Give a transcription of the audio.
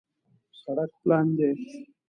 سړک پلن دی